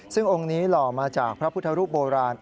ซึ่งองค์นี้หล่อมาจากพระพุทธรูปโบราณ